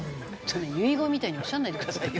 そんな遺言みたいにおっしゃらないでくださいよ。